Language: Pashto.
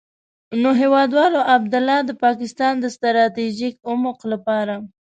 نو هېوادوالو، عبدالله د پاکستان د ستراتيژيک عمق لپاره.